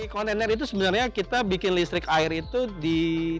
kontainer itu sebenarnya kita bikin listrik air itu di